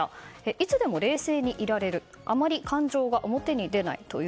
いつでも冷静でいられるあまり感情が表に出ないと。